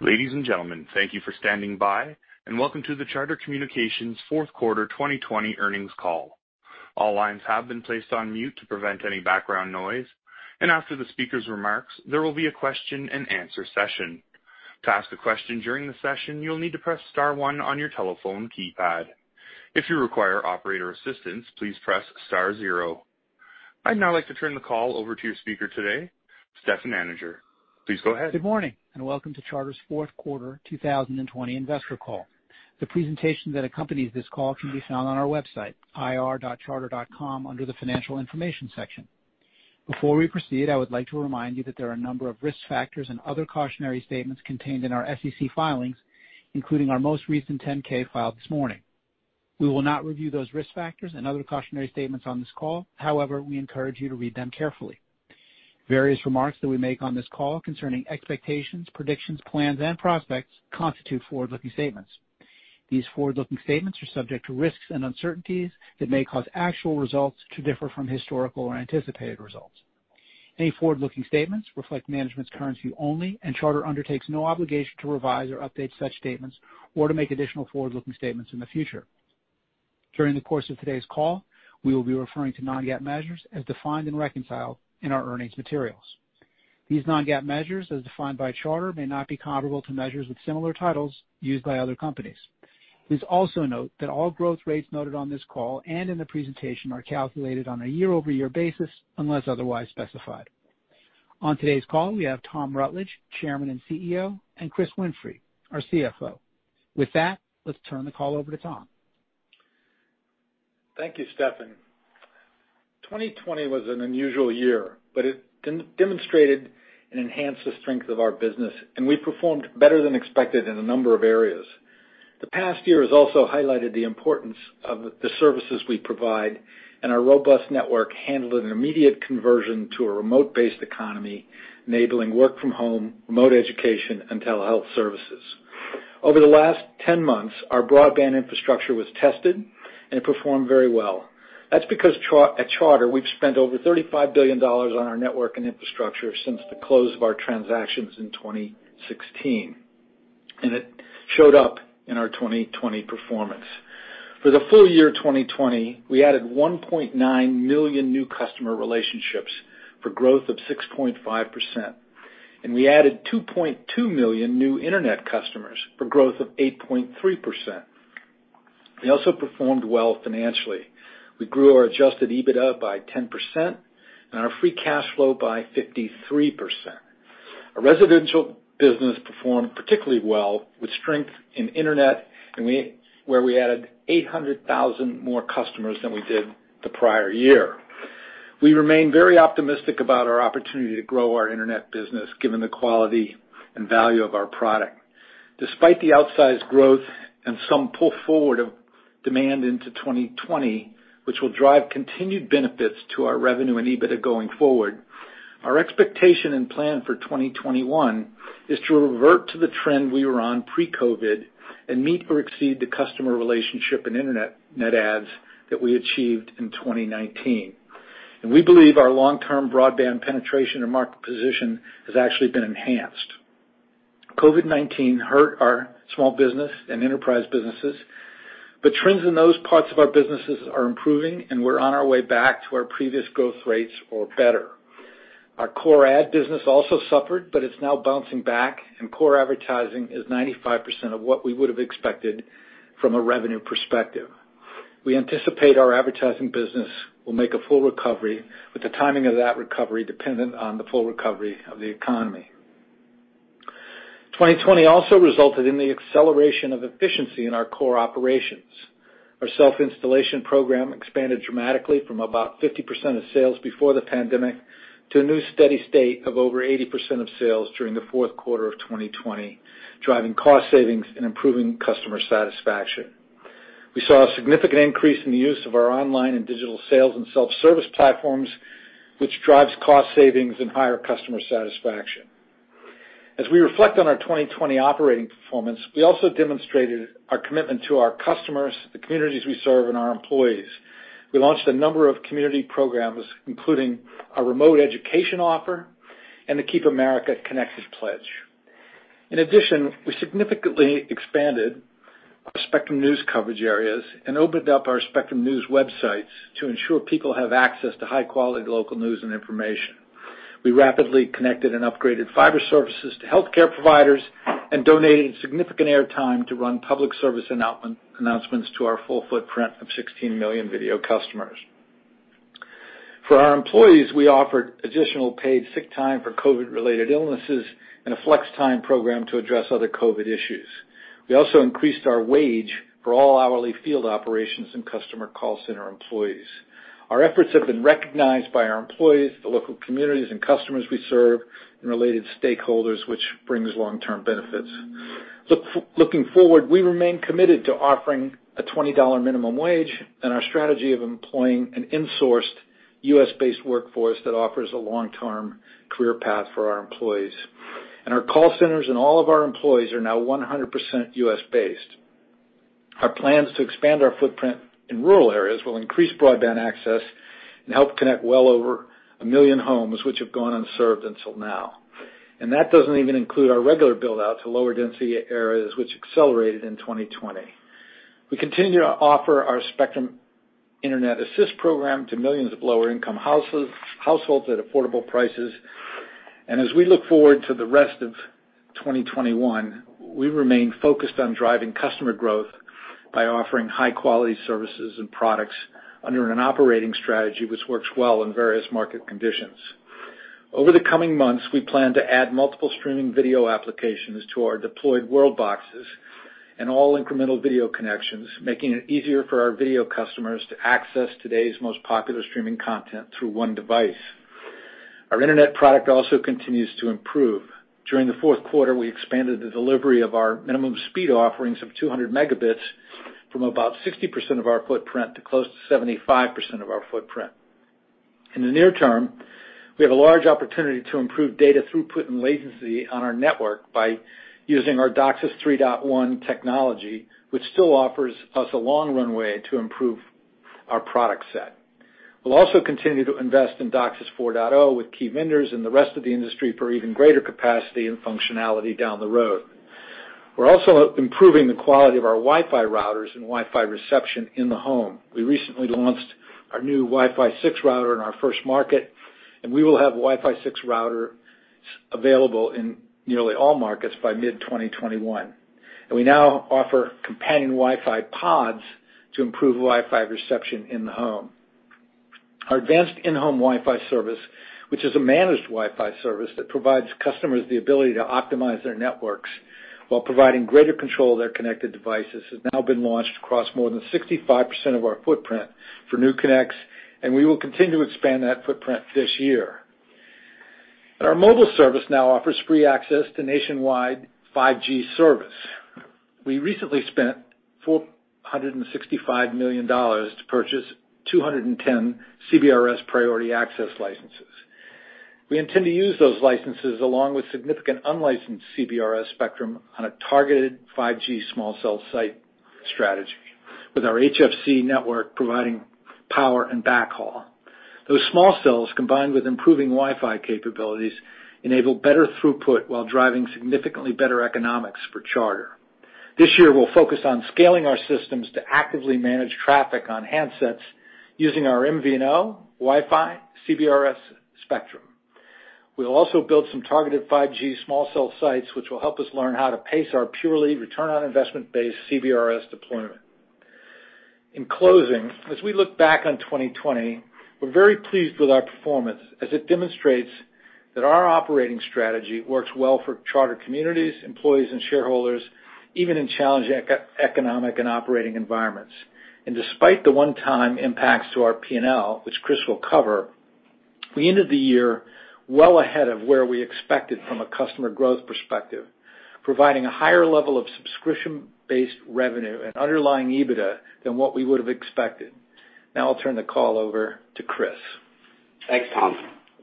Ladies and gentlemen, thank you for standing by, and welcome to the Charter Communications fourth quarter 2020 earnings call. All lines have been placed on mute to prevent any background noise. After the speakers' remarks, there will be a question-and-answer session. To ask a question during the session, you'll need to press star on on your telephone keypad. If you require operator assistance, please press star zero. I'd now like to turn the call over to your speaker today, Stefan Anninger. Please go ahead. Good morning. Welcome to Charter's fourth quarter 2020 investor call. The presentation that accompanies this call can be found on our website, ir.charter.com, under the Financial Information section. Before we proceed, I would like to remind you that there are a number of risk factors and other cautionary statements contained in our SEC filings, including our most recent 10-K filed this morning. We will not review those risk factors and other cautionary statements on this call. However, we encourage you to read them carefully. Various remarks that we make on this call concerning expectations, predictions, plans, and prospects constitute forward-looking statements. These forward-looking statements are subject to risks and uncertainties that may cause actual results to differ from historical or anticipated results. Any forward-looking statements reflect management's current views only, and Charter undertakes no obligation to revise or update such statements or to make additional forward-looking statements in the future. During the course of today's call, we will be referring to non-GAAP measures as defined and reconciled in our earnings materials. These non-GAAP measures, as defined by Charter, may not be comparable to measures with similar titles used by other companies. Please also note that all growth rates noted on this call and in the presentation are calculated on a year-over-year basis unless otherwise specified. On today's call, we have Tom Rutledge, Chairman and CEO, and Chris Winfrey, our CFO. With that, let's turn the call over to Tom. Thank you, Stefan. 2020 was an unusual year, but it demonstrated and enhanced the strength of our business, and we performed better than expected in a number of areas. The past year has also highlighted the importance of the services we provide, and our robust network handled an immediate conversion to a remote-based economy, enabling work from home, remote education, and telehealth services. Over the last 10 months, our broadband infrastructure was tested and it performed very well. That's because at Charter, we've spent over $35 billion on our network and infrastructure since the close of our transactions in 2016, and it showed up in our 2020 performance. For the full year 2020, we added 1.9 million new customer relationships for growth of 6.5%, and we added 2.2 million new internet customers for growth of 8.3%. We also performed well financially. We grew our adjusted EBITDA by 10% and our free cash flow by 53%. Our residential business performed particularly well with strength in internet, where we added 800,000 more customers than we did the prior year. We remain very optimistic about our opportunity to grow our internet business, given the quality and value of our product. Despite the outsized growth and some pull forward of demand into 2020, which will drive continued benefits to our revenue and EBITDA going forward, our expectation and plan for 2021 is to revert to the trend we were on pre-COVID and meet or exceed the customer relationship and internet net adds that we achieved in 2019. We believe our long-term broadband penetration and market position has actually been enhanced. COVID-19 hurt our small business and enterprise businesses, but trends in those parts of our businesses are improving, and we're on our way back to our previous growth rates or better. Our core ad business also suffered, but it's now bouncing back, and core advertising is 95% of what we would have expected from a revenue perspective. We anticipate our advertising business will make a full recovery, with the timing of that recovery dependent on the full recovery of the economy. 2020 also resulted in the acceleration of efficiency in our core operations. Our self-installation program expanded dramatically from about 50% of sales before the pandemic to a new steady state of over 80% of sales during the fourth quarter of 2020, driving cost savings and improving customer satisfaction. We saw a significant increase in the use of our online and digital sales and self-service platforms, which drives cost savings and higher customer satisfaction. As we reflect on our 2020 operating performance, we also demonstrated our commitment to our customers, the communities we serve, and our employees. We launched a number of community programs, including a remote education offer and the Keep Americans Connected pledge. In addition, we significantly expanded our Spectrum News coverage areas and opened up our Spectrum News websites to ensure people have access to high-quality local news and information. We rapidly connected and upgraded fiber services to healthcare providers, and donated significant air time to run public service announcements to our full footprint of 16 million video customers. For our employees, we offered additional paid sick time for COVID-related illnesses and a flex time program to address other COVID issues. We also increased our wage for all hourly field operations and customer call center employees. Our efforts have been recognized by our employees, the local communities and customers we serve, and related stakeholders, which brings long-term benefits. Looking forward, we remain committed to offering a $20 minimum wage and our strategy of employing an insourced U.S.-based workforce that offers a long-term career path for our employees. Our call centers and all of our employees are now 100% U.S.-based. Our plans to expand our footprint in rural areas will increase broadband access and help connect well over a million homes which have gone unserved until now. That doesn't even include our regular build out to lower density areas, which accelerated in 2020. We continue to offer our Spectrum Internet Assist program to millions of lower income households at affordable prices. As we look forward to the rest of 2021, we remain focused on driving customer growth by offering high quality services and products under an operating strategy which works well in various market conditions. Over the coming months, we plan to add multiple streaming video applications to our deployed WorldBoxes and all incremental video connections, making it easier for our video customers to access today's most popular streaming content through one device. Our internet product also continues to improve. During the fourth quarter, we expanded the delivery of our minimum speed offerings of 200 Mbps from about 60% of our footprint to close to 75% of our footprint. In the near term, we have a large opportunity to improve data throughput and latency on our network by using our DOCSIS 3.1 technology, which still offers us a long runway to improve our product set. We'll also continue to invest in DOCSIS 4.0 with key vendors in the rest of the industry for even greater capacity and functionality down the road. We're also improving the quality of our Wi-Fi routers and Wi-Fi reception in the home. We recently launched our new Wi-Fi 6 router in our first market. We will have Wi-Fi 6 routers available in nearly all markets by mid-2021. We now offer companion Wi-Fi pods to improve Wi-Fi reception in the home. Our advanced in-home Wi-Fi service, which is a managed Wi-Fi service that provides customers the ability to optimize their networks while providing greater control of their connected devices, has now been launched across more than 65% of our footprint for new connects. We will continue to expand that footprint this year. Our mobile service now offers free access to nationwide 5G service. We recently spent $465 million to purchase 210 CBRS priority access licenses. We intend to use those licenses, along with significant unlicensed CBRS spectrum, on a targeted 5G small cell site strategy, with our HFC network providing power and backhaul. Those small cells, combined with improving Wi-Fi capabilities, enable better throughput while driving significantly better economics for Charter. This year, we'll focus on scaling our systems to actively manage traffic on handsets using our MVNO, Wi-Fi, CBRS, spectrum. We'll also build some targeted 5G small cell sites, which will help us learn how to pace our purely return on investment based CBRS deployment. In closing, as we look back on 2020, we're very pleased with our performance, as it demonstrates that our operating strategy works well for Charter communities, employees, and shareholders, even in challenging economic and operating environments. Despite the one-time impacts to our P&L, which Chris will cover. We ended the year well ahead of where we expected from a customer growth perspective, providing a higher level of subscription based revenue and underlying EBITDA than what we would have expected. Now, I'll turn the call over to Chris. Thanks, Tom.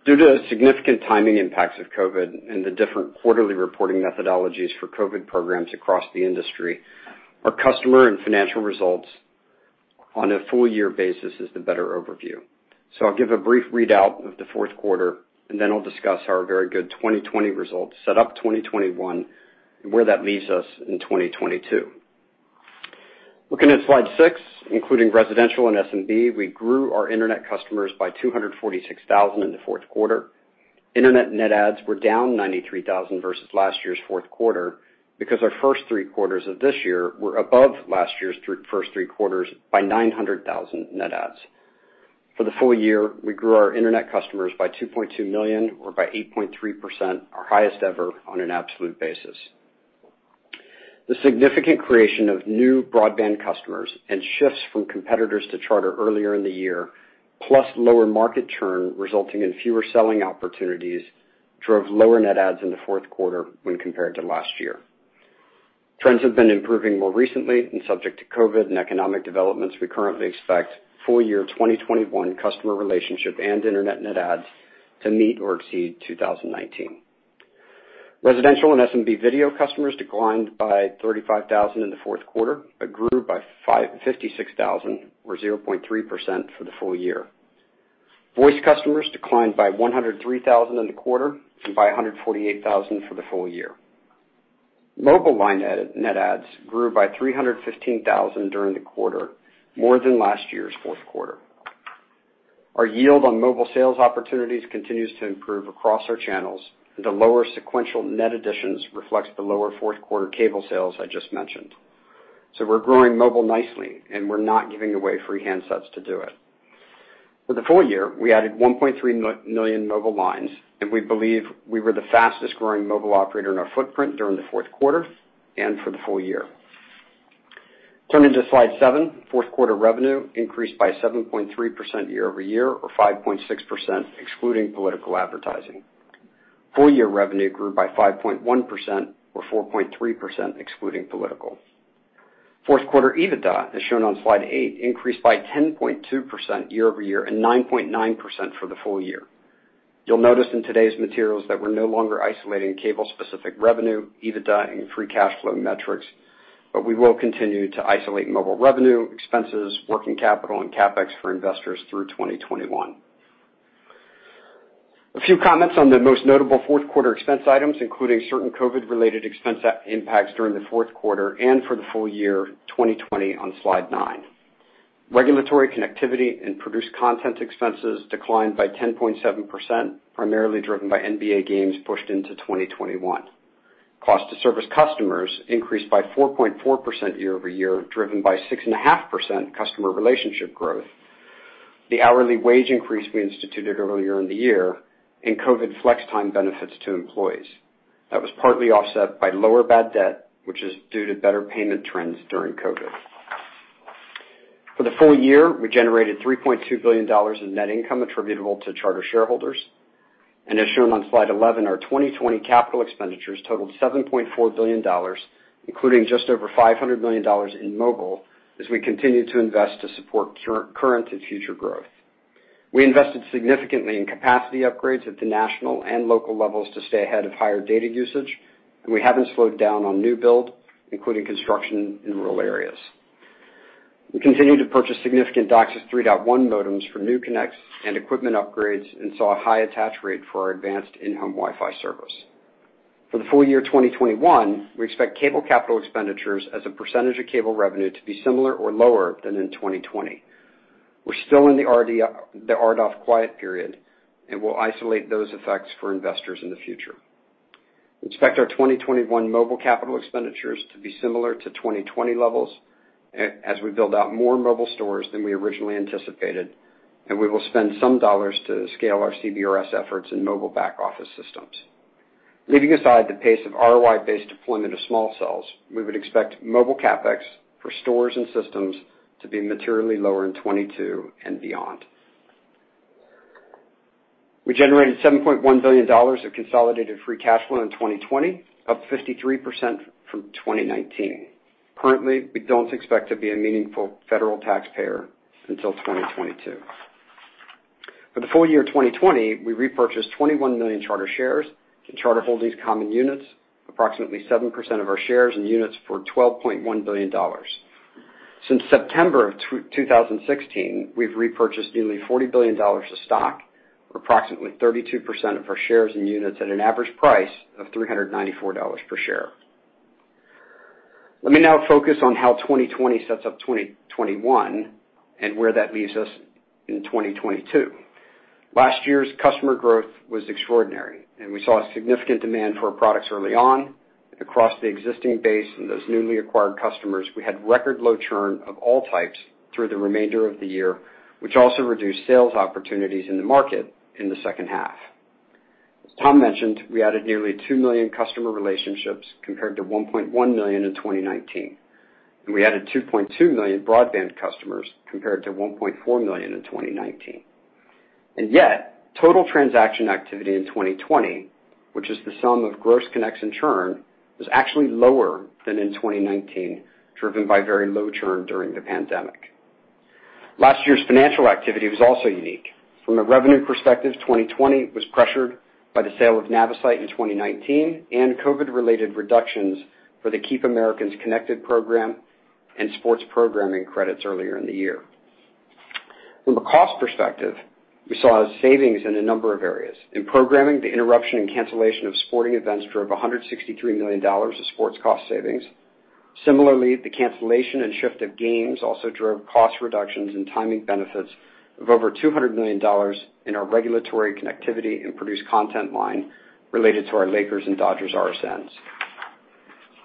Due to significant timing impacts of COVID and the different quarterly reporting methodologies for COVID programs across the industry, our customer and financial results on a full year basis is the better overview. I'll give a brief readout of the fourth quarter, and then I'll discuss our very good 2020 results, set up 2021, and where that leaves us in 2022. Looking at slide six, including residential and SMB, we grew our internet customers by 246,000 in the fourth quarter. Internet net adds were down 93,000 versus last year's fourth quarter because our first three quarters of this year were above last year's first three quarters by 900,000 net adds. For the full year, we grew our internet customers by 2.2 million or by 8.3%, our highest ever on an absolute basis. The significant creation of new broadband customers and shifts from competitors to Charter earlier in the year, plus lower market churn resulting in fewer selling opportunities, drove lower net adds in the fourth quarter when compared to last year. Trends have been improving more recently and subject to COVID and economic developments, we currently expect full year 2021 customer relationship and internet net adds to meet or exceed 2019. Residential and SMB video customers declined by 35,000 in the fourth quarter, but grew by 56,000 or 0.3% for the full year. Voice customers declined by 103,000 in the quarter and by 148,000 for the full year. Mobile line net adds grew by 315,000 during the quarter, more than last year's fourth quarter. Our yield on mobile sales opportunities continues to improve across our channels, and the lower sequential net additions reflects the lower fourth quarter cable sales I just mentioned. We're growing mobile nicely, and we're not giving away free handsets to do it. For the full year, we added 1.3 million mobile lines, and we believe we were the fastest growing mobile operator in our footprint during the fourth quarter and for the full year. Turning to slide seven, fourth quarter revenue increased by 7.3% year-over-year, or 5.6% excluding political advertising. Full year revenue grew by 5.1%, or 4.3% excluding political. Fourth quarter EBITDA, as shown on slide eight, increased by 10.2% year-over-year and 9.9% for the full year. You'll notice in today's materials that we're no longer isolating cable specific revenue, EBITDA, and free cash flow metrics, but we will continue to isolate mobile revenue expenses, working capital, and CapEx for investors through 2021. A few comments on the most notable fourth quarter expense items, including certain COVID-related expense impacts during the fourth quarter and for the full year 2020 on slide nine. Regulatory connectivity and produced content expenses declined by 10.7%, primarily driven by NBA games pushed into 2021. Cost to service customers increased by 4.4% year-over-year, driven by 6.5% customer relationship growth, the hourly wage increase we instituted earlier in the year, and COVID flex time benefits to employees. That was partly offset by lower bad debt, which is due to better payment trends during COVID. For the full year, we generated $3.2 billion in net income attributable to Charter shareholders. As shown on slide 11, our 2020 capital expenditures totaled $7.4 billion, including just over $500 million in mobile, as we continue to invest to support current and future growth. We invested significantly in capacity upgrades at the national and local levels to stay ahead of higher data usage, and we haven't slowed down on new build, including construction in rural areas. We continue to purchase significant DOCSIS 3.1 modems for new connects and equipment upgrades, and saw a high attach rate for our advanced in-home Wi-Fi service. For the full year 2021, we expect cable capital expenditures as a percentage of cable revenue to be similar or lower than in 2020. We're still in the RDOF quiet period, and we'll isolate those effects for investors in the future. We expect our 2021 mobile capital expenditures to be similar to 2020 levels as we build out more mobile stores than we originally anticipated, and we will spend some dollars to scale our CBRS efforts in mobile back office systems. Leaving aside the pace of ROI-based deployment of small cells, we would expect mobile CapEx for stores and systems to be materially lower in 2022 and beyond. We generated $7.1 billion of consolidated free cash flow in 2020, up 53% from 2019. Currently, we don't expect to be a meaningful federal taxpayer until 2022. For the full year 2020, we repurchased 21 million Charter shares and Charter Holdings common units, approximately 7% of our shares and units for $12.1 billion. Since September of 2016, we've repurchased nearly $40 billion of stock, or approximately 32% of our shares and units at an average price of $394 per share. Let me now focus on how 2020 sets up 2021 and where that leaves us in 2022. Last year's customer growth was extraordinary, and we saw a significant demand for our products early on. Across the existing base and those newly acquired customers, we had record low churn of all types through the remainder of the year, which also reduced sales opportunities in the market in the second half. As Tom mentioned, we added nearly 2 million customer relationships compared to 1.1 million in 2019. We added 2.2 million broadband customers compared to 1.4 million in 2019. Yet, total transaction activity in 2020, which is the sum of gross connects and churn, was actually lower than in 2019, driven by very low churn during the pandemic. Last year's financial activity was also unique. From a revenue perspective, 2020 was pressured by the sale of Navisite in 2019 and COVID related reductions for the Keep Americans Connected program and sports programming credits earlier in the year. From a cost perspective, we saw savings in a number of areas. In programming, the interruption and cancellation of sporting events drove $163 million of sports cost savings. Similarly, the cancellation and shift of games also drove cost reductions and timing benefits of over $200 million in our regulatory connectivity and produced content line related to our Lakers and Dodgers RSNs.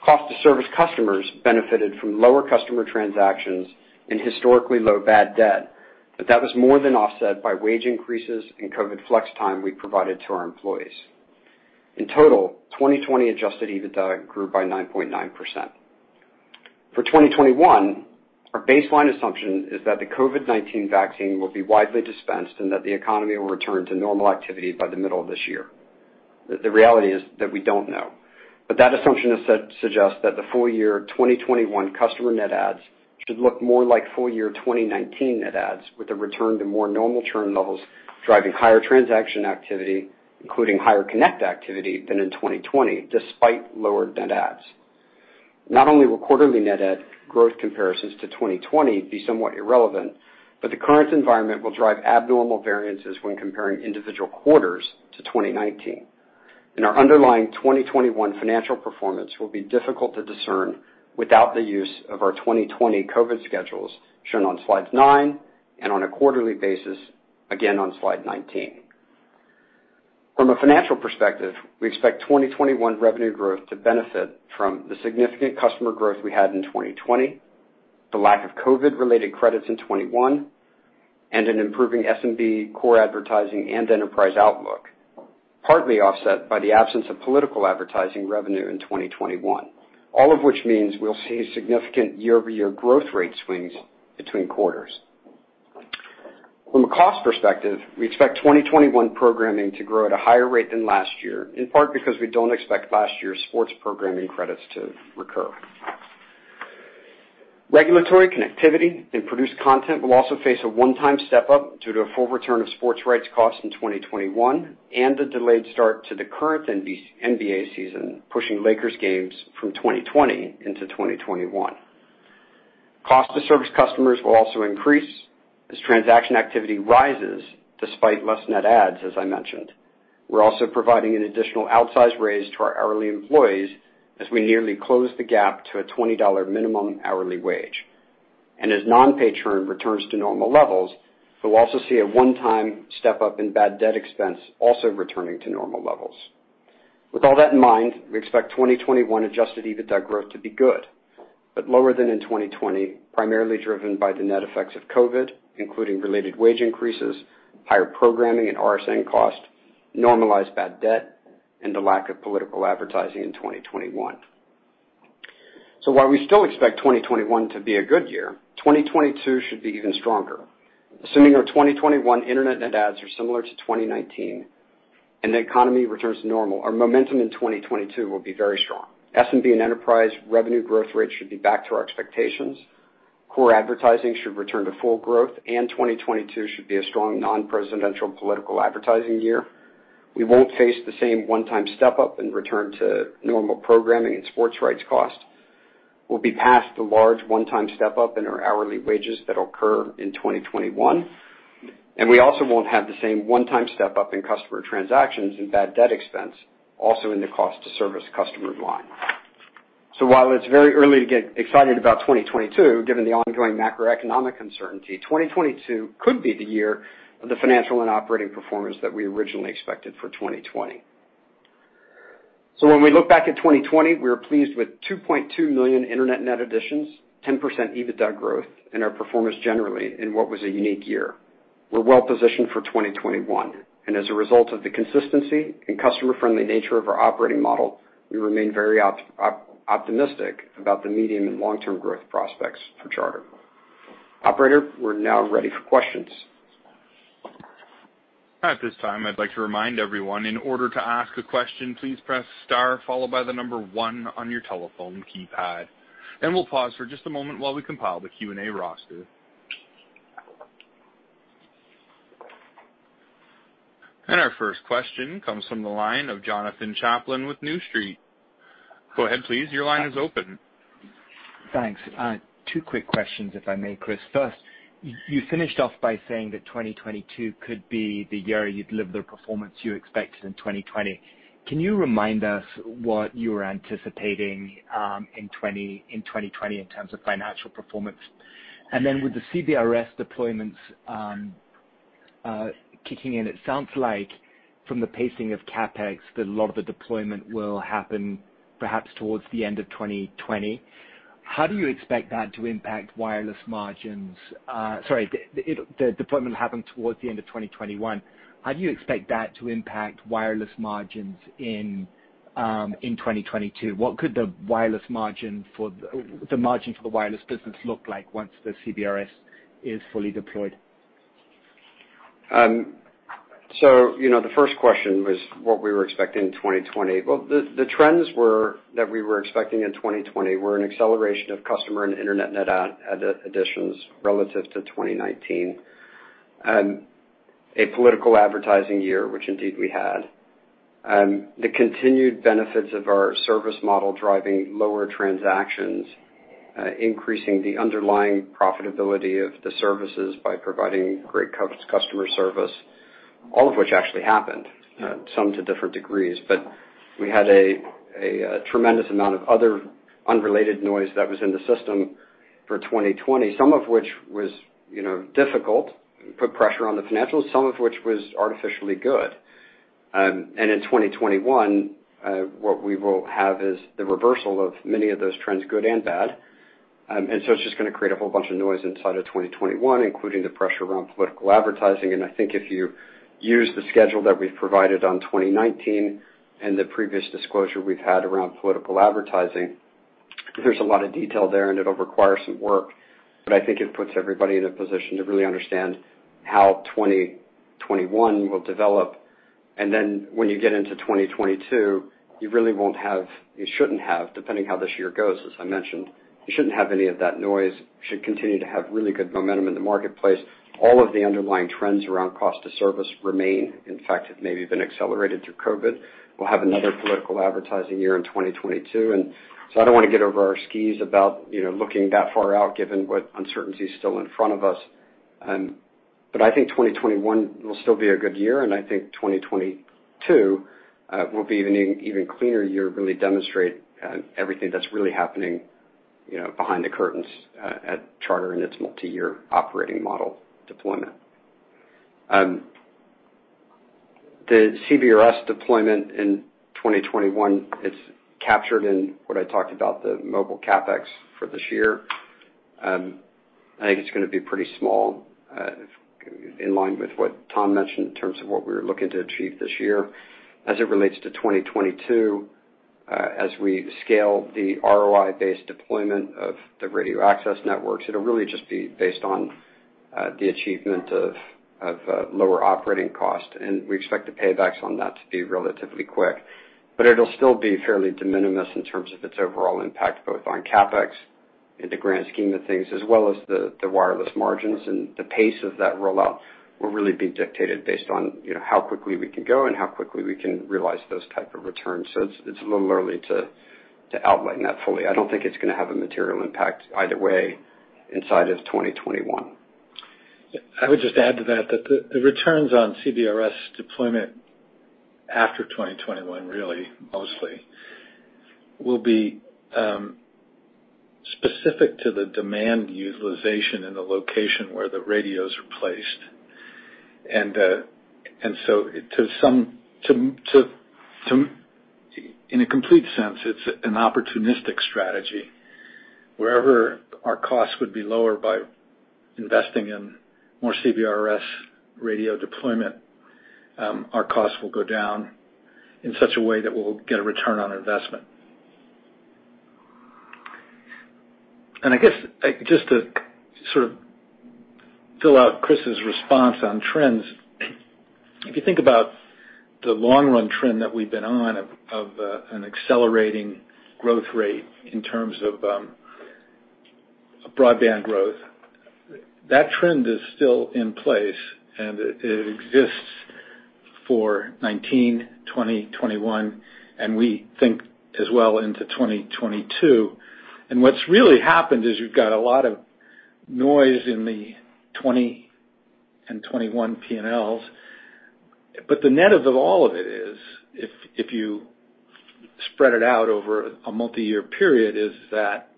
Cost to service customers benefited from lower customer transactions and historically low bad debt, but that was more than offset by wage increases and COVID flex time we provided to our employees. In total, 2020 adjusted EBITDA grew by 9.9%. For 2021, our baseline assumption is that the COVID-19 vaccine will be widely dispensed and that the economy will return to normal activity by the middle of this year. The reality is that we don't know. That assumption suggests that the full year 2021 customer net adds should look more like full year 2019 net adds with a return to more normal churn levels driving higher transaction activity, including higher connect activity than in 2020, despite lower net adds. Not only will quarterly net add growth comparisons to 2020 be somewhat irrelevant, but the current environment will drive abnormal variances when comparing individual quarters to 2019. In our underlying 2021 financial performance will be difficult to discern without the use of our 2020 COVID schedules shown on slide nine and on a quarterly basis, again on slide 19. From a financial perspective, we expect 2021 revenue growth to benefit from the significant customer growth we had in 2020, the lack of COVID-related credits in 2021, and an improving SMB core advertising and enterprise outlook, partly offset by the absence of political advertising revenue in 2021. All of which means we'll see significant year-over-year growth rate swings between quarters. From a cost perspective, we expect 2021 programming to grow at a higher rate than last year, in part because we don't expect last year's sports programming credits to recur. Regulatory connectivity and produced content will also face a one-time step-up due to a full return of sports rights cost in 2021 and a delayed start to the current NBA season, pushing Lakers games from 2020 into 2021. Cost to service customers will also increase as transaction activity rises despite less net adds, as I mentioned. We're also providing an additional outsize raise to our hourly employees as we nearly close the gap to a $20 minimum hourly wage. As non-pay churn returns to normal levels, we'll also see a one-time step-up in bad debt expense also returning to normal levels. With all that in mind, we expect 2021 adjusted EBITDA growth to be good. But lower than in 2020, primarily driven by the net effects of COVID, including related wage increases, higher programming and RSN cost, normalized bad debt, and the lack of political advertising in 2021. While we still expect 2021 to be a good year, 2022 should be even stronger. Assuming our 2021 internet net adds are similar to 2019 and the economy returns to normal, our momentum in 2022 will be very strong. SMB and enterprise revenue growth rates should be back to our expectations. Core advertising should return to full growth. 2022 should be a strong non-presidential political advertising year. We won't face the same one-time step-up in return to normal programming and sports rights cost. We'll be past the large one-time step-up in our hourly wages that'll occur in 2021. We also won't have the same one-time step-up in customer transactions and bad debt expense, also in the cost to service customer line. While it's very early to get excited about 2022, given the ongoing macroeconomic uncertainty, 2022 could be the year of the financial and operating performance that we originally expected for 2020. When we look back at 2020, we were pleased with 2.2 million internet net additions, 10% EBITDA growth, and our performance generally in what was a unique year. We're well positioned for 2021, and as a result of the consistency and customer-friendly nature of our operating model, we remain very optimistic about the medium and long-term growth prospects for Charter. Operator, we're now ready for questions. At this time I'd like to remind everyone, in order to ask a question, please press star followed by the number one on your telephone keypad. We'll pause for just a moment while we compile the Q&A roster. Our first question comes from the line of Jonathan Chaplin with New Street. Go ahead, please. Your line is open. Thanks. Two quick questions, if I may, Chris. You finished off by saying that 2022 could be the year you'd live the performance you expected in 2020. Can you remind us what you were anticipating in 2020 in terms of financial performance? With the CBRS deployments kicking in, it sounds like from the pacing of CapEx that a lot of the deployment will happen perhaps towards the end of 2020. How do you expect that to impact wireless margins? Sorry, the deployment will happen towards the end of 2021. How do you expect that to impact wireless margins in 2022? What could the margin for the wireless business look like once the CBRS is fully deployed? The first question was what we were expecting in 2020. The trends that we were expecting in 2020 were an acceleration of customer and internet net additions relative to 2019. A political advertising year, which indeed we had. The continued benefits of our service model driving lower transactions increasing the underlying profitability of the services by providing great customer service, all of which actually happened some to different degrees. We had a tremendous amount of other unrelated noise that was in the system for 2020. Some of which was difficult and put pressure on the financials. Some of which was artificially good. In 2021, what we will have is the reversal of many of those trends, good and bad. It's just going to create a whole bunch of noise inside of 2021, including the pressure around political advertising. I think if you use the schedule that we've provided on 2019 and the previous disclosure we've had around political advertising, there's a lot of detail there. It'll require some work, but I think it puts everybody in a position to really understand how 2021 will develop. Then when you get into 2022, you really won't have, you shouldn't have, depending how this year goes, as I mentioned, you shouldn't have any of that noise. You should continue to have really good momentum in the marketplace. All of the underlying trends around cost to service remain. In fact, it may have even accelerated through COVID. We'll have another political advertising year in 2022. So I don't want to get over our skis about looking that far out given what uncertainty is still in front of us. I think 2021 will still be a good year, and I think 2022 will be an even cleaner year to really demonstrate everything that's really happening behind the curtains at Charter in its multi-year operating model deployment. The CBRS deployment in 2021, it's captured in what I talked about, the mobile CapEx for this year. I think it's going to be pretty small in line with what Tom mentioned in terms of what we were looking to achieve this year. As it relates to 2022, as we scale the ROI-based deployment of the radio access networks, it'll really just be based on the achievement of lower operating cost. We expect the paybacks on that to be relatively quick. It'll still be fairly de minimis in terms of its overall impact, both on CapEx in the grand scheme of things, as well as the wireless margins and the pace of that rollout will really be dictated based on how quickly we can go and how quickly we can realize those type of returns. It's a little early to outline that fully. I don't think it's going to have a material impact either way inside of 2021. I would just add to that the returns on CBRS deployment after 2021, really mostly, will be specific to the demand utilization in the location where the radios are placed. In a complete sense, it's an opportunistic strategy. Wherever our costs would be lower by investing in more CBRS radio deployment, our costs will go down in such a way that we'll get a return on investment. I guess just to sort of fill out Chris's response on trends, if you think about the long-run trend that we've been on of an accelerating growth rate in terms of broadband growth, that trend is still in place, and it exists for 2019, 2020, 2021, and we think as well into 2022. What's really happened is you've got a lot of noise in the 2020 and 2021 P&Ls. The net of all of it is, if you spread it out over a multi-year period, is that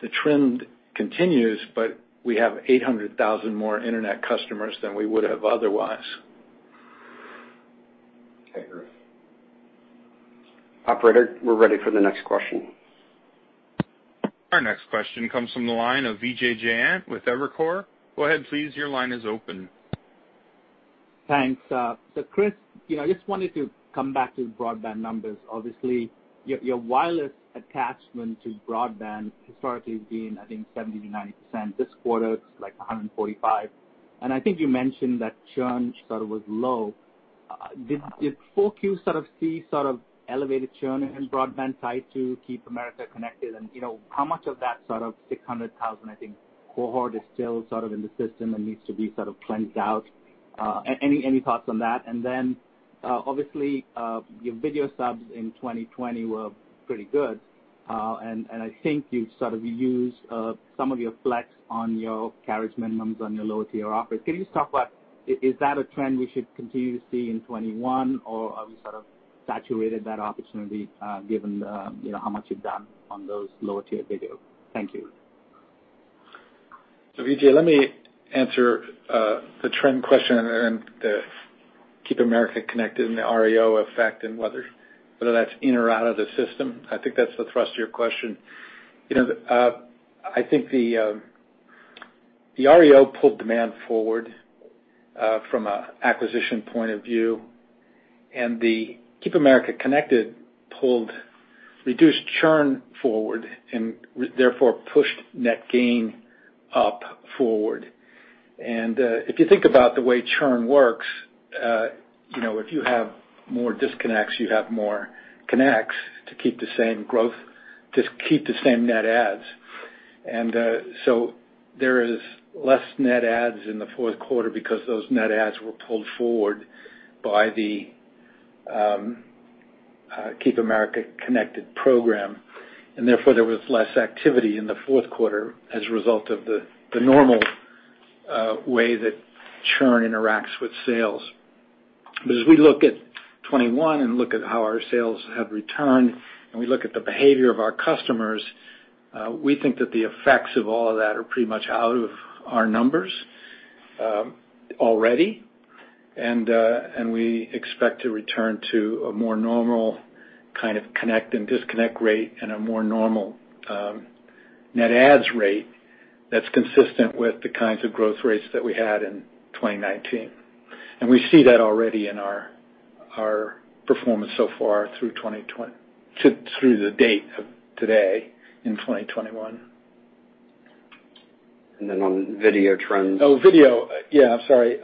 the trend continues, but we have 800,000 more internet customers than we would have otherwise. Operator, we're ready for the next question. Our next question comes from the line of Vijay Jayant with Evercore. Go ahead, please. Thanks. Chris, I just wanted to come back to the broadband numbers. Obviously, your wireless attachment to broadband historically has been, I think, 70%-90%. This quarter, it's like 145%. I think you mentioned that churn sort of was low. Did 4Q sort of see, sort of elevated churn in broadband tied to Keep Americans Connected? How much of that sort of 600,000, I think, cohort is still sort of in the system and needs to be sort of cleansed out? Any thoughts on that? Then, obviously, your video subs in 2020 were pretty good. I think you sort of used some of your flex on your carriage minimums on your lower tier offers. Can you just talk about, is that a trend we should continue to see in 2021 or have we sort of saturated that opportunity given how much you've done on those lower-tier video? Thank you. Vijay, let me answer the trend question and the Keep Americans Connected and the REO effect, and whether that's in or out of the system. I think that's the thrust of your question. I think the REO pulled demand forward from an acquisition point of view, and the Keep Americans Connected pulled reduced churn forward and therefore pushed net gain up forward. If you think about the way churn works, if you have more disconnects, you have more connects to keep the same growth, just keep the same net adds. There is less net adds in the fourth quarter because those net adds were pulled forward by the Keep America Connected program, and therefore, there was less activity in the fourth quarter as a result of the normal way that churn interacts with sales. As we look at 2021 and look at how our sales have returned and we look at the behavior of our customers, we think that the effects of all of that are pretty much out of our numbers already. We expect to return to a more normal kind of connect and disconnect rate and a more normal net adds rate that's consistent with the kinds of growth rates that we had in 2019. We see that already in our performance so far through the date of today in 2021. Then on video trends. Oh, video. Yeah, sorry.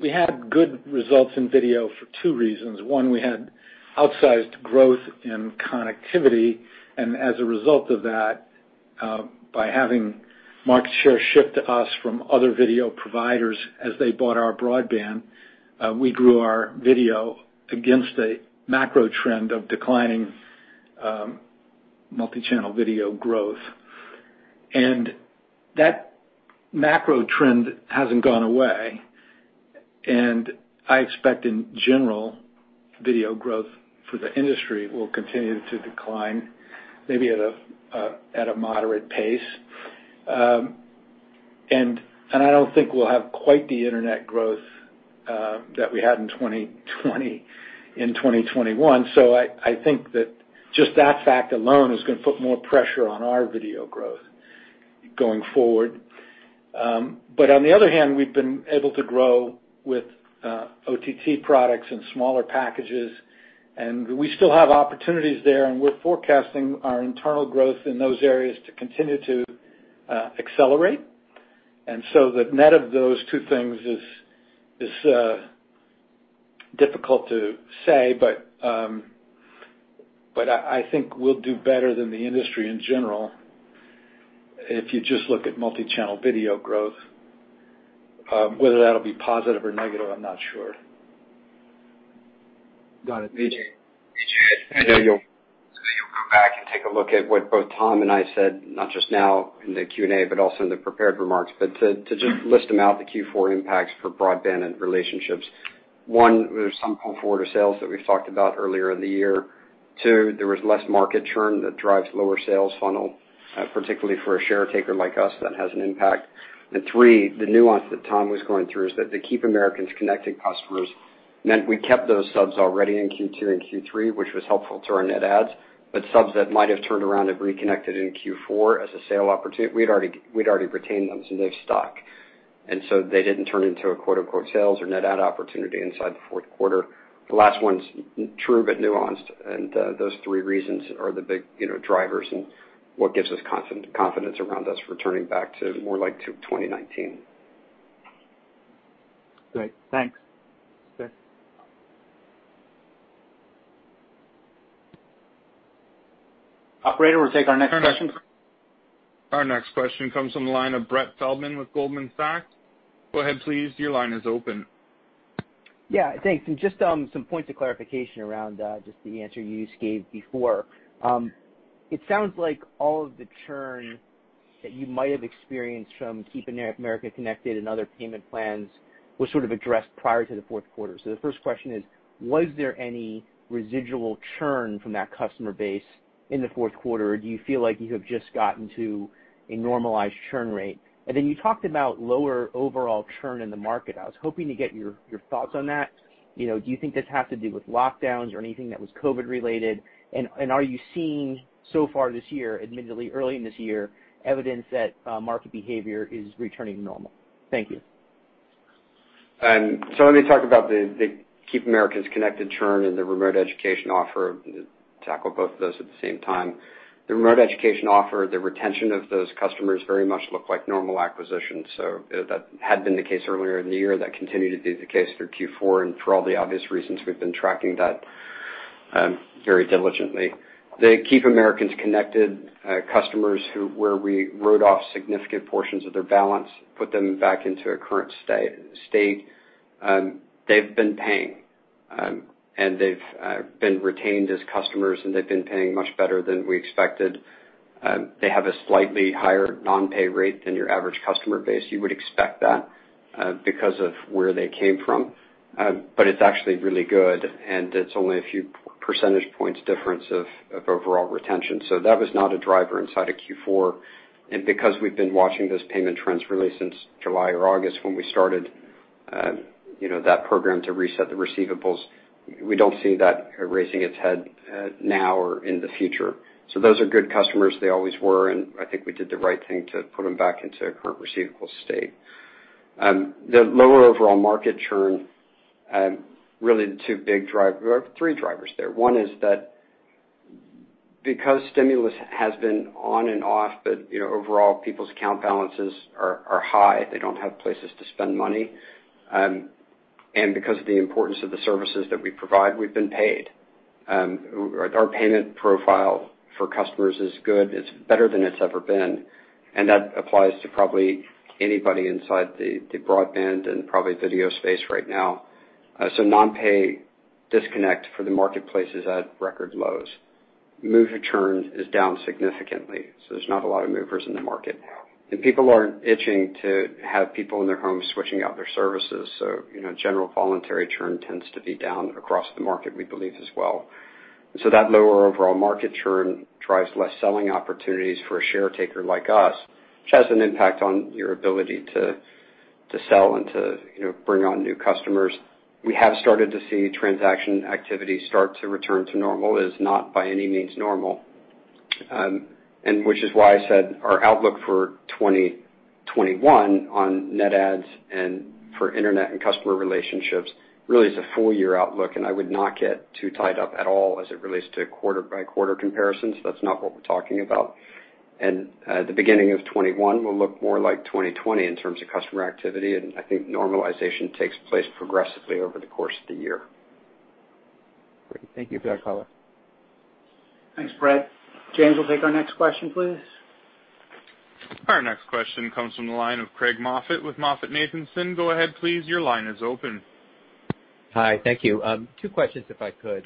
We had good results in video for two reasons. One, we had outsized growth in connectivity. As a result of that, by having market share shift to us from other video providers as they bought our broadband, we grew our video against a macro trend of declining multichannel video growth. That macro trend hasn't gone away. I expect, in general, video growth for the industry will continue to decline, maybe at a moderate pace. I don't think we'll have quite the internet growth that we had in 2020 in 2021. I think that just that fact alone is going to put more pressure on our video growth going forward. On the other hand, we've been able to grow with OTT products and smaller packages, and we still have opportunities there, and we're forecasting our internal growth in those areas to continue to accelerate. The net of those two things is difficult to say, but I think we'll do better than the industry in general, if you just look at multichannel video growth. Whether that'll be positive or negative, I'm not sure. Got it. Vijay, I know you'll go back and take a look at what both Tom and I said, not just now in the Q&A, but also in the prepared remarks. To just list them out, the Q4 impacts for broadband and relationships. One, there's some pull-forward of sales that we've talked about earlier in the year. Two, there was less market churn that drives lower sales funnel, particularly for a share taker like us, that has an impact. Three, the nuance that Tom was going through is that the Keep Americans Connected customers meant we kept those subs already in Q2 and Q3, which was helpful to our net adds, but subs that might have turned around and reconnected in Q4 as a sale opportunity, we'd already retained them, so they've stuck. They didn't turn into a quote, unquote "sales or net add opportunity inside the fourth quarter." The last one's true but nuanced. Those three reasons are the big drivers and what gives us confidence around us returning back to more like to 2019. Great. Thanks. Okay. Operator, we'll take our next question. Our next question comes from the line of Brett Feldman with Goldman Sachs. Go ahead, please. Your line is open. Yeah, thanks. Just some points of clarification around just the answer you just gave before. It sounds like all of the churn that you might have experienced from Keep Americans Connected and other payment plans was sort of addressed prior to the fourth quarter. The first question is, was there any residual churn from that customer base in the fourth quarter, or do you feel like you have just gotten to a normalized churn rate? Then you talked about lower overall churn in the market. I was hoping to get your thoughts on that. Do you think this has to do with lockdowns or anything that was COVID related? Are you seeing so far this year, admittedly early in this year, evidence that market behavior is returning to normal? Thank you. Let me talk about the Keep Americans Connected churn and the remote education offer, tackle both of those at the same time. The remote education offer, the retention of those customers very much looked like normal acquisitions. That had been the case earlier in the year. That continued to be the case through Q4, and for all the obvious reasons, we've been tracking that very diligently. The Keep Americans Connected customers who, where we wrote off significant portions of their balance, put them back into a current state. They've been paying, and they've been retained as customers. They've been paying much better than we expected. They have a slightly higher non-pay rate than your average customer base. You would expect that because of where they came from. It's actually really good, and it's only a few percentage points difference of overall retention. That was not a driver inside of Q4. Because we've been watching those payment trends really since July or August when we started that program to reset the receivables, we don't see that raising its head now or in the future. Those are good customers. They always were, and I think we did the right thing to put them back into a current receivable state. The lower overall market churn, really the two big drivers, well, three drivers there. One is that because stimulus has been on and off, but overall, people's account balances are high. They don't have places to spend money. Because of the importance of the services that we provide, we've been paid. Our payment profile for customers is good. It's better than it's ever been. That applies to probably anybody inside the broadband and probably video space right now. Non-pay disconnect for the marketplace is at record lows. Mover churn is down significantly, so there's not a lot of movers in the market. People aren't itching to have people in their homes switching out their services, so general voluntary churn tends to be down across the market, we believe, as well. That lower overall market churn drives less selling opportunities for a share taker like us, which has an impact on your ability to sell and to bring on new customers. We have started to see transaction activity start to return to normal. It is not by any means normal, and which is why I said our outlook for 2021 on net adds and for internet and customer relationships really is a full-year outlook, and I would not get too tied up at all as it relates to quarter-by-quarter comparisons. That's not what we're talking about. The beginning of 2021 will look more like 2020 in terms of customer activity, and I think normalization takes place progressively over the course of the year. Great. Thank you for that color. Thanks, Brett. James, we'll take our next question, please. Our next question comes from the line of Craig Moffett with MoffettNathanson. Go ahead, please. Your line is open. Hi. Thank you. Two questions if I could.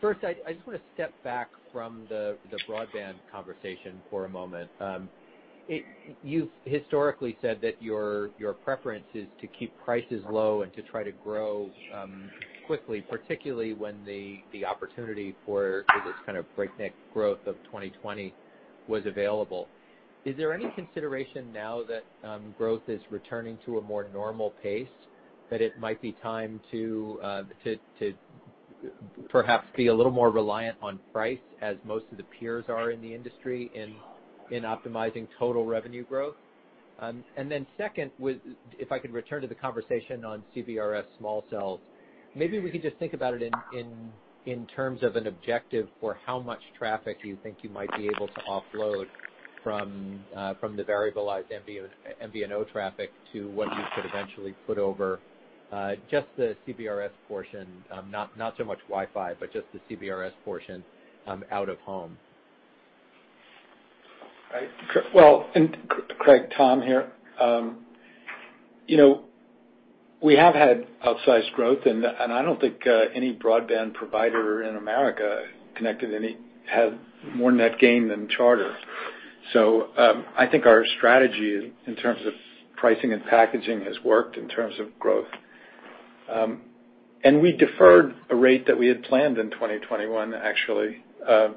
First, I just want to step back from the broadband conversation for a moment. You've historically said that your preference is to keep prices low and to try to grow quickly, particularly when the opportunity for this kind of breakneck growth of 2020 was available. Is there any consideration now that growth is returning to a more normal pace that it might be time to perhaps be a little more reliant on price as most of the peers are in the industry in optimizing total revenue growth? Second, if I could return to the conversation on CBRS small cells, maybe we could just think about it in terms of an objective for how much traffic do you think you might be able to offload from the variabilized MVNO traffic to what you could eventually put over just the CBRS portion? Not so much Wi-Fi, but just the CBRS portion out of home. Well, Craig, Tom here. We have had outsized growth, and I don't think any broadband provider in America connected had more net gain than Charter. I think our strategy in terms of pricing and packaging has worked in terms of growth. We deferred a rate that we had planned in 2021, actually,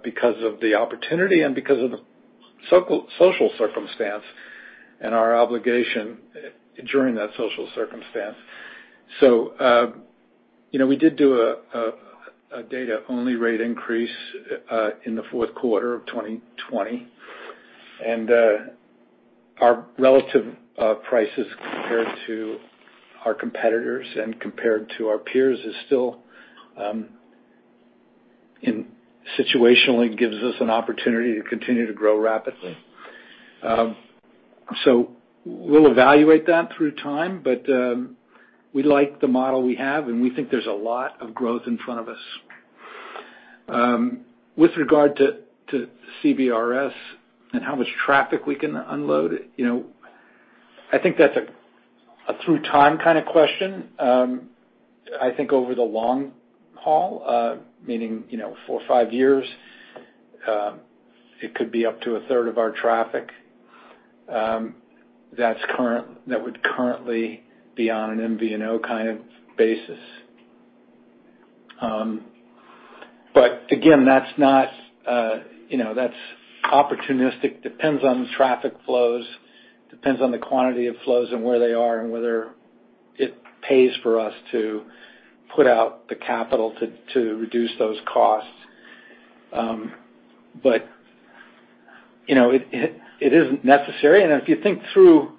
because of the opportunity and because of the social circumstance and our obligation during that social circumstance. We did do a data-only rate increase in the fourth quarter of 2020. Our relative prices compared to our competitors and compared to our peers still situationally gives us an opportunity to continue to grow rapidly. We'll evaluate that through time, but we like the model we have, and we think there's a lot of growth in front of us. With regard to CBRS and how much traffic we can unload, I think that's a through-time kind of question. I think over the long haul, meaning four or five years, it could be up to a third of our traffic that would currently be on an MVNO kind of basis. Again, that's opportunistic, depends on the traffic flows, depends on the quantity of flows and where they are and whether it pays for us to put out the capital to reduce those costs. It isn't necessary. If you think through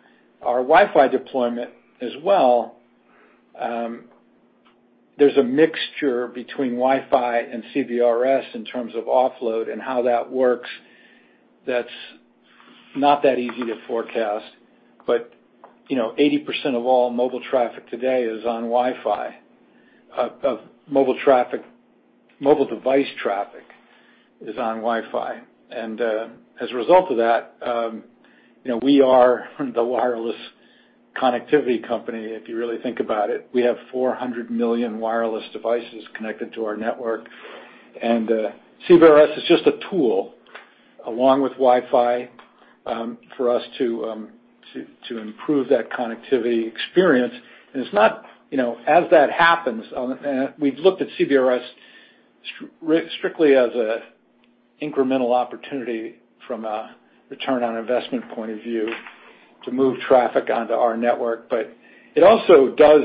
our Wi-Fi deployment as well, there's a mixture between Wi-Fi and CBRS in terms of offload and how that works that's not that easy to forecast. 80% of all mobile traffic today is on Wi-Fi. Mobile device traffic is on Wi-Fi. As a result of that, we are the wireless connectivity company, if you really think about it. We have 400 million wireless devices connected to our network. CBRS is just a tool along with Wi-Fi for us to improve that connectivity experience. As that happens, we've looked at CBRS strictly as an incremental opportunity from a return on investment point of view to move traffic onto our network. It also does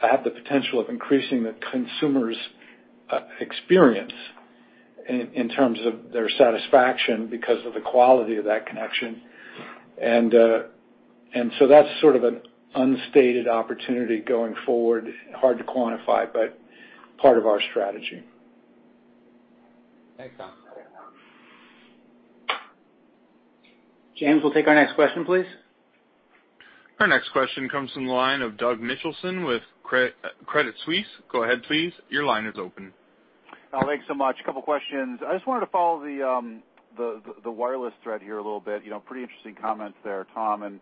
have the potential of increasing the consumer's experience in terms of their satisfaction because of the quality of that connection. That's sort of an unstated opportunity going forward. Hard to quantify, but part of our strategy. Thanks, Tom. James, we'll take our next question, please. Our next question comes from the line of Doug Mitchelson with Credit Suisse. Go ahead, please. Your line is open. Thanks so much. Couple questions. I just wanted to follow the wireless thread here a little bit. Pretty interesting comments there, Tom.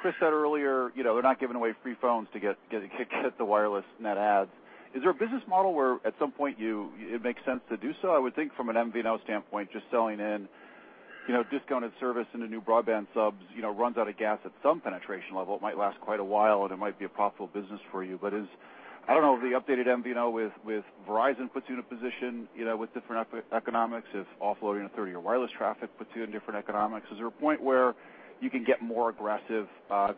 Chris said earlier they're not giving away free phones to get the wireless net adds. Is there a business model where at some point it makes sense to do so? I would think from an MVNO standpoint, just selling in discounted service into new broadband subs runs out of gas at some penetration level. It might last quite a while, and it might be a profitable business for you. I don't know if the updated MVNO with Verizon puts you in a position with different economics, if offloading a third of your wireless traffic puts you in different economics. Is there a point where you can get more aggressive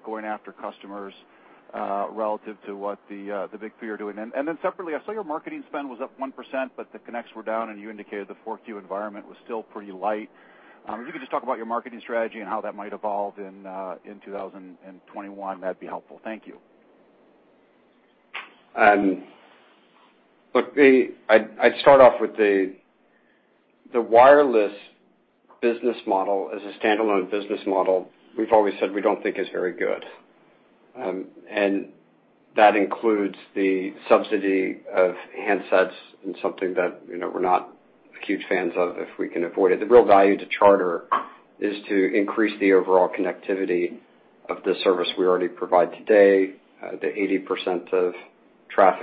going after customers relative to what the big three are doing? Separately, I saw your marketing spend was up 1%, but the connects were down, and you indicated the 4Q environment was still pretty light. If you could just talk about your marketing strategy and how that might evolve in 2021? That'd be helpful. Thank you. Look, I'd start off with the wireless business model as a standalone business model, we've always said we don't think is very good. That includes the subsidy of handsets and something that we're not huge fans of if we can avoid it. The real value to Charter is to increase the overall connectivity of the service we already provide today, the 80% of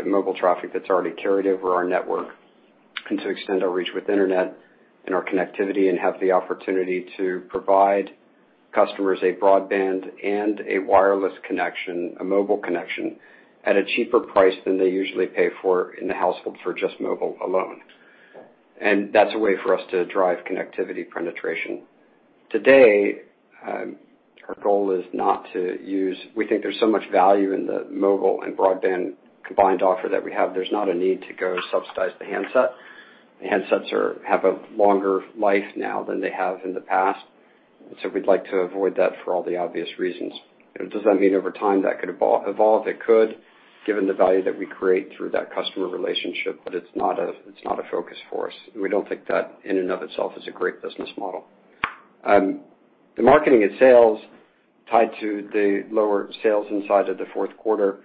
mobile traffic that's already carried over our network, and to extend our reach with internet and our connectivity and have the opportunity to provide customers a broadband and a wireless connection, a mobile connection at a cheaper price than they usually pay for in the household for just mobile alone. That's a way for us to drive connectivity penetration. We think there's so much value in the mobile and broadband combined offer that we have, there's not a need to go subsidize the handset. The handsets have a longer life now than they have in the past, we'd like to avoid that for all the obvious reasons. Does that mean over time that could evolve? It could, given the value that we create through that customer relationship. It's not a focus for us. We don't think that in and of itself is a great business model. The marketing and sales tied to the lower sales inside of the fourth quarter,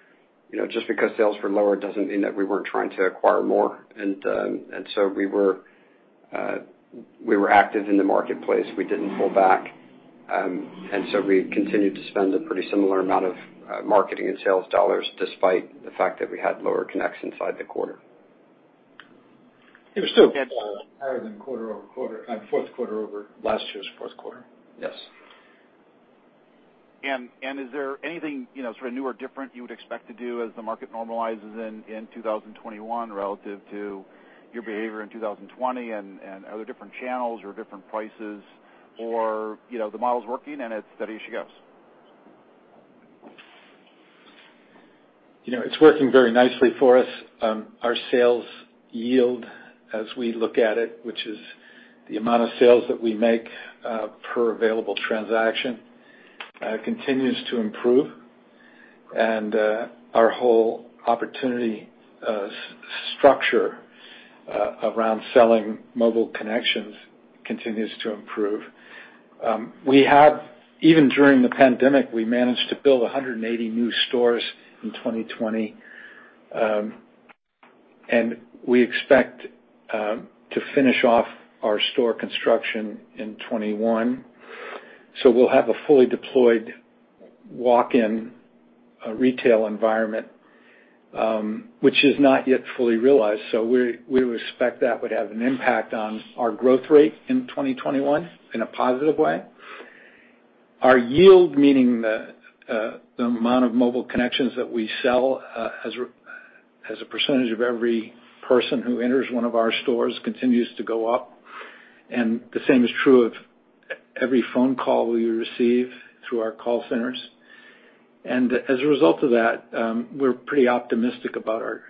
just because sales were lower doesn't mean that we weren't trying to acquire more. We were active in the marketplace. We didn't pull back. We continued to spend a pretty similar amount of marketing and sales dollars, despite the fact that we had lower connects inside the quarter. It was still higher than quarter-over-quarter, and fourth quarter over last year's fourth quarter. Yes. Is there anything sort of new or different you would expect to do as the market normalizes in 2021 relative to your behavior in 2020, and are there different channels or different prices or the model's working and it's steady as she goes? It's working very nicely for us. Our sales yield, as we look at it, which is the amount of sales that we make per available transaction, continues to improve, and our whole opportunity structure around selling mobile connections continues to improve. Even during the pandemic, we managed to build 180 new stores in 2020. We expect to finish off our store construction in 2021. We'll have a fully deployed walk-in retail environment, which is not yet fully realized. We would expect that would have an impact on our growth rate in 2021 in a positive way. Our yield, meaning the amount of mobile connections that we sell as a percentage of every person who enters one of our stores, continues to go up, and the same is true of every phone call we receive through our call centers. As a result of that, we're pretty optimistic about our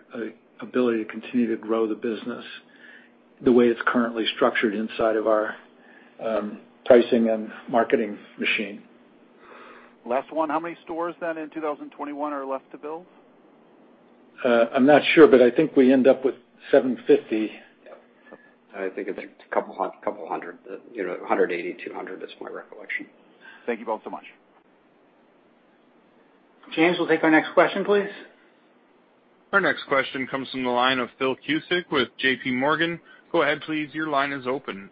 ability to continue to grow the business the way it's currently structured inside of our pricing and marketing machine. Last one, how many stores then in 2021 are left to build? I'm not sure, but I think we end up with 750 stores. Yeah. I think it's 200 stores. 180, 200 stores is my recollection. Thank you both so much. James, we'll take our next question, please. Our next question comes from the line of Phil Cusick with JPMorgan. Go ahead, please. Your line is open.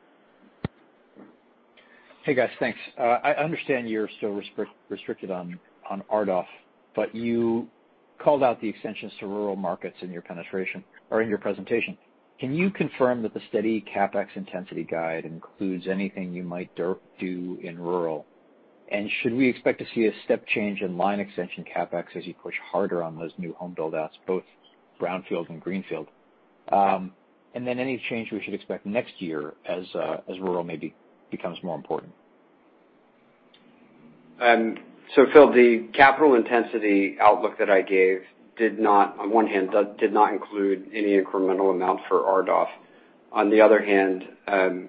Hey, guys. Thanks. I understand you're still restricted on RDOF. You called out the extensions to rural markets in your presentation. Can you confirm that the steady CapEx intensity guide includes anything you might do in rural, and should we expect to see a step change in line extension CapEx as you push harder on those new home build-outs, both brownfield and greenfield? Any change we should expect next year as rural maybe becomes more important? Phil, the capital intensity outlook that I gave, on one hand, did not include any incremental amounts for RDOF. On the other hand, I'm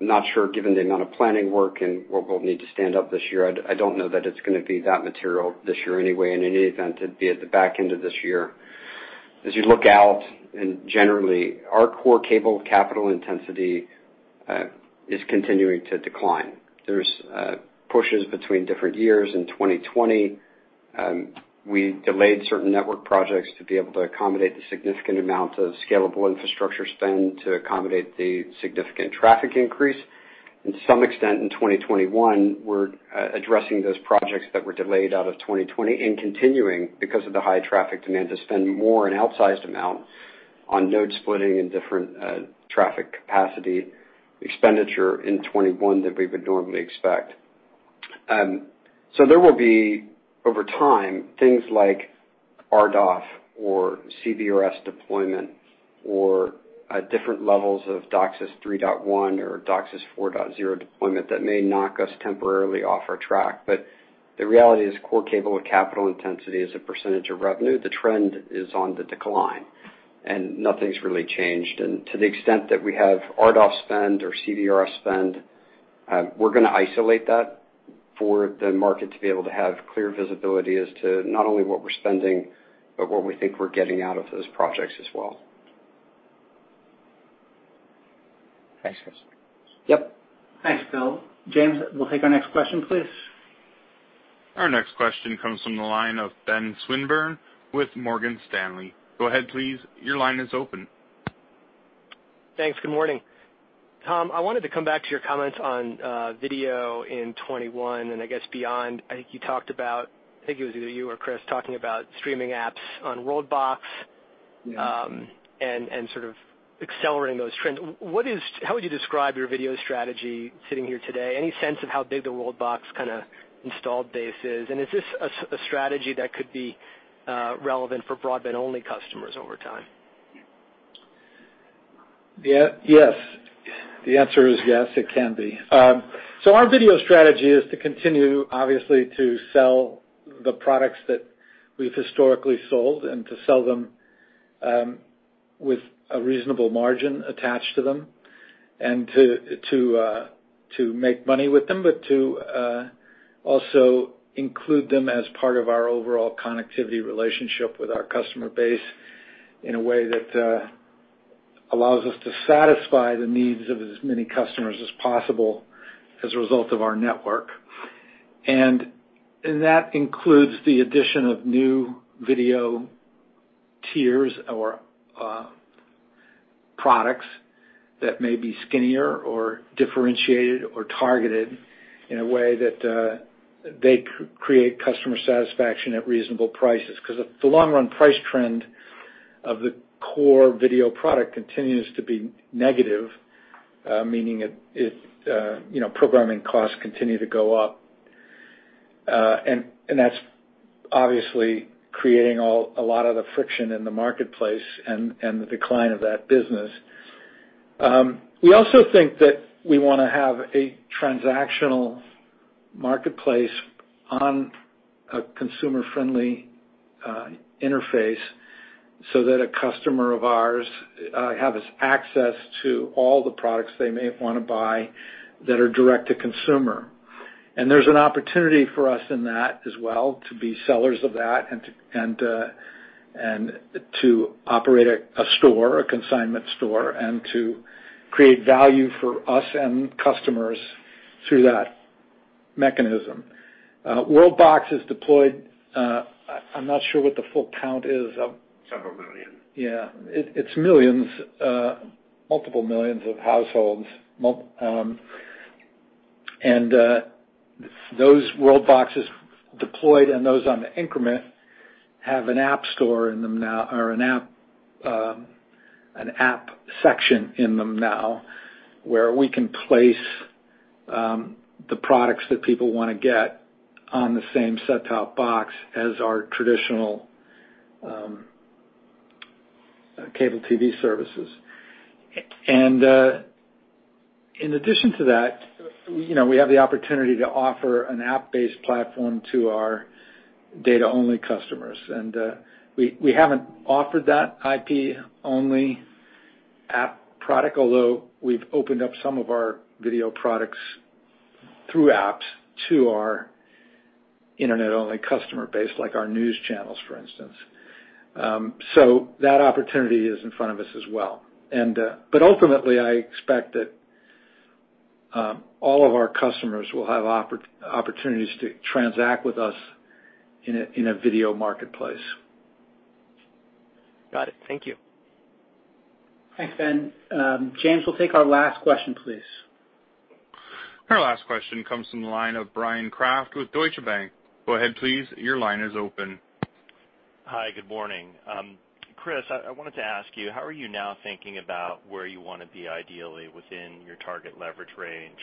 not sure given the amount of planning work and what we'll need to stand up this year, I don't know that it's going to be that material this year anyway. In any event, it'd be at the back end of this year. As you look out, generally, our core cable capital intensity is continuing to decline. There's pushes between different years. In 2020, we delayed certain network projects to be able to accommodate the significant amount of scalable infrastructure spend to accommodate the significant traffic increase. To some extent, in 2021, we're addressing those projects that were delayed out of 2020 and continuing, because of the high traffic demand, to spend more, an outsized amount on node splitting and different traffic capacity expenditure in 2021 than we would normally expect. There will be, over time, things like RDOF or CBRS deployment or different levels of DOCSIS 3.1 or DOCSIS 4.0 deployment that may knock us temporarily off our track. The reality is core cable with capital intensity as a percentage of revenue. The trend is on the decline. Nothing's really changed to the extent that we have RDOF spend or CBRS spend, we're going to isolate that. For the market to be able to have clear visibility as to not only what we're spending, but what we think we're getting out of those projects as well. Thanks, Chris. Yep. Thanks, Phil. James, we'll take our next question, please. Our next question comes from the line of Ben Swinburne with Morgan Stanley. Go ahead, please. Your line is open. Thanks. Good morning. Tom, I wanted to come back to your comments on video in 2021 and I guess beyond. I think it was either you or Chris talking about streaming apps on WorldBox. Yeah. Sort of accelerating those trends. How would you describe your video strategy sitting here today? Any sense of how big the WorldBox kind of installed base is? Is this a strategy that could be relevant for broadband-only customers over time? Yes. The answer is yes, it can be. Our video strategy is to continue, obviously, to sell the products that we've historically sold, to sell them with a reasonable margin attached to them, to make money with them, but to also include them as part of our overall connectivity relationship with our customer base in a way that allows us to satisfy the needs of as many customers as possible as a result of our network. That includes the addition of new video tiers or products that may be skinnier or differentiated or targeted in a way that they create customer satisfaction at reasonable prices. The long-run price trend of the core video product continues to be negative, meaning programming costs continue to go up. That's obviously creating a lot of the friction in the marketplace and the decline of that business. We also think that we want to have a transactional marketplace on a consumer-friendly interface so that a customer of ours has access to all the products they may want to buy that are direct to consumer. There's an opportunity for us in that as well, to be sellers of that and to operate a store, a consignment store, and to create value for us and customers through that mechanism. WorldBox is deployed, I'm not sure what the full count is of- Several million. Yeah. It's millions, multiple millions of households. Those WorldBoxes deployed and those on the increment have an app store in them now, or an app section in them now, where we can place the products that people want to get on the same set-top box as our traditional cable TV services. In addition to that, we have the opportunity to offer an app-based platform to our data-only customers. We haven't offered that IP-only app product, although we've opened up some of our video products through apps to our internet-only customer base, like our news channels, for instance. That opportunity is in front of us as well. Ultimately, I expect that all of our customers will have opportunities to transact with us in a video marketplace. Got it. Thank you. Thanks, Ben. James, we'll take our last question, please. Our last question comes from the line of Bryan Kraft with Deutsche Bank. Go ahead, please. Your line is open. Hi. Good morning. Chris, I wanted to ask you, how are you now thinking about where you want to be ideally within your target leverage range?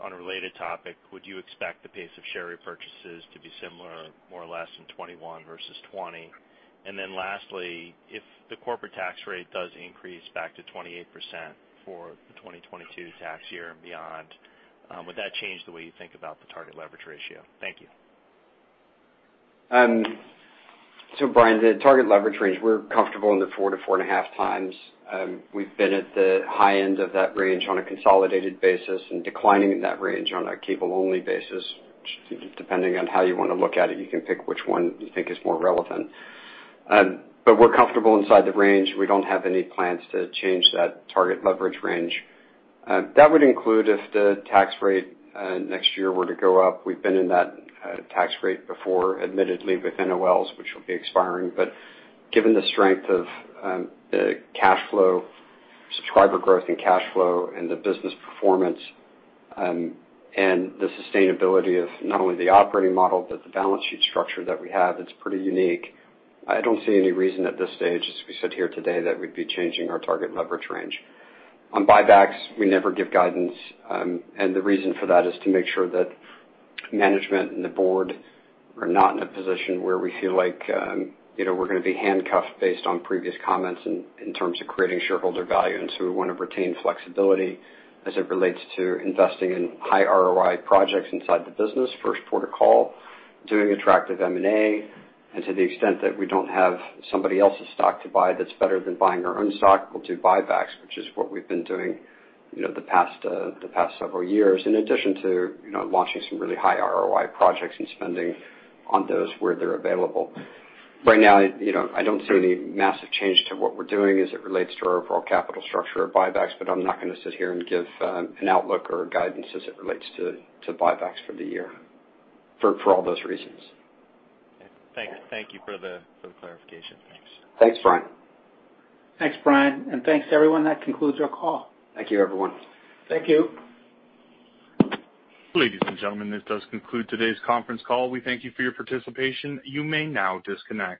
On a related topic, would you expect the pace of share repurchases to be similar, more or less, in 2021 versus 2020? Lastly, if the corporate tax rate does increase back to 28% for the 2022 tax year and beyond, would that change the way you think about the target leverage ratio? Thank you. Bryan, the target leverage range, we're comfortable in the 4x-4.5x. We've been at the high end of that range on a consolidated basis and declining in that range on a cable-only basis. Depending on how you want to look at it, you can pick which one you think is more relevant. But we're comfortable inside the range. We don't have any plans to change that target leverage range. That would include if the tax rate next year were to go up. We've been in that tax rate before, admittedly, with NOLs, which will be expiring. But given the strength of the cash flow, subscriber growth and cash flow, and the business performance, and the sustainability of not only the operating model, but the balance sheet structure that we have, it's pretty unique. I don't see any reason at this stage, as we sit here today, that we'd be changing our target leverage range. On buybacks, we never give guidance, and the reason for that is to make sure that management and the Board are not in a position where we feel like we're going to be handcuffed based on previous comments in terms of creating shareholder value. We want to retain flexibility as it relates to investing in high ROI projects inside the business. First port of call, doing attractive M&A, and to the extent that we don't have somebody else's stock to buy that's better than buying our own stock, we'll do buybacks, which is what we've been doing the past several years, in addition to launching some really high ROI projects and spending on those where they're available. Right now, I don't see any massive change to what we're doing as it relates to our overall capital structure of buybacks, but I'm not going to sit here and give an outlook or guidance as it relates to buybacks for the year for all those reasons. Thank you for the clarification. Thanks. Thanks, Bryan. Thanks, Bryan, and thanks everyone. That concludes our call. Thank you, everyone. Thank you. Ladies and gentlemen, this does conclude today's conference call. We thank you for your participation. You may now disconnect.